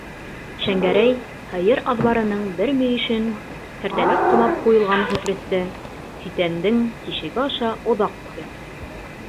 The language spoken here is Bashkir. Шәңгәрәй һыйыр аҙбарының бер мөйөшөн кәртәләп ҡамап ҡуйылған Ғифритте ситәндең тишеге аша оҙаҡ күҙәтте.